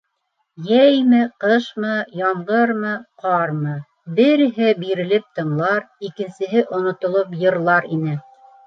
Йәйме, ҡышмы, ямғырмы, ҡармы — береһе бирелеп тыңлар, икенсеһе онотолоп йырлар ине.